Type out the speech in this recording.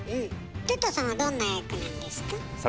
哲太さんはどんな役なんですか？